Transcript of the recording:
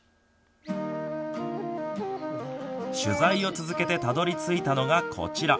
取材を続けてたどり着いたのが、こちら。